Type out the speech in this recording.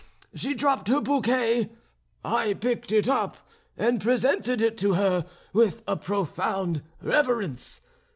She dropped her bouquet; I picked it up, and presented it to her with a profound reverence.